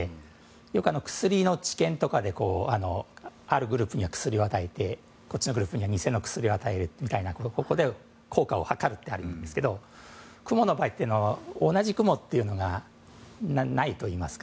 よく、薬の治験とかであるグループには薬を与えてこっちのグループには偽の薬を与えてそれで効果を測るということがありますけど、雲の場合は同じ雲というのがないといいますか。